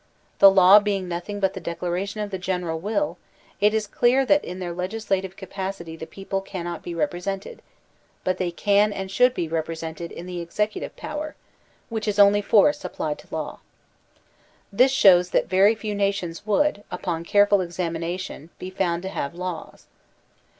The law being nothing but the declaration of the general will, it is clear that in their legislative capacity the people cannot be represented; but they can and should be represented in the executive power, which is only force applied to law. This shows that very few nations would, upon care ful examination, be found to have laws.